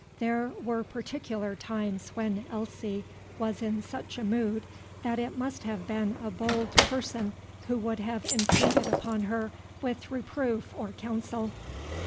There were particular times when Elsie was in such a mood that it must have been a bold person who would have intruded upon her with reproof or counsel.